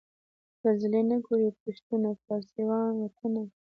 زلزلې نه ګوري پښتون او فارسي وان وطنه